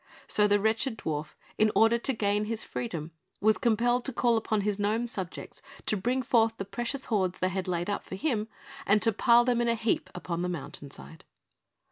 So the wretched dwarf, in order to gain his freedom, was compelled to call upon his gnome subjects to bring forth the precious hoards they had laid up for him, and to pile them in a heap upon the mountain side.